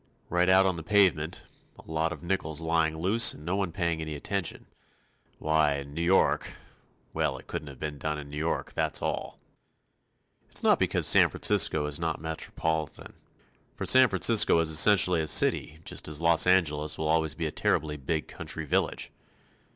Right out on the pavement a lot of nickels lying loose and no one paying any attention. Why, in New York well, it couldn't be done in New York, that's all. It's not because San Francisco is not metropolitan. For San Francisco is essentially a city just as Los Angeles will always be a terribly big country village.